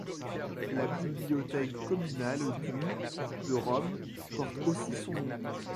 La bibliothèque communale du de Rome porte aussi son nom.